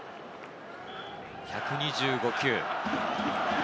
１２５球。